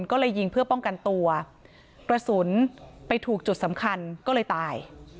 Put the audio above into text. ก็เลยยิงเพื่อป้องกันตัวกระสุนไปถูกจุดสำคัญก็เลยตาย